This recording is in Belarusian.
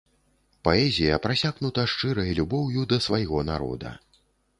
Паэзія прасякнута шчырай любоўю да свайго народа.